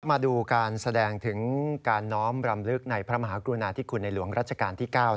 มาดูการแสดงถึงการน้อมรำลึกในพระมหากรุณาธิคุณในหลวงรัชกาลที่๙